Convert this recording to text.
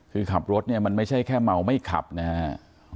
คือขับรถมันไม่ใช่แค่เมาไม่ขับนะครับ